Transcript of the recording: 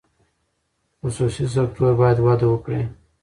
خصوصي سکتور باید وده وکړي.